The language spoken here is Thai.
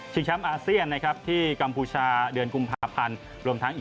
ชิงแชมป์อาเซียนนะครับที่กัมพูชาเดือนกุมภาพพันธ์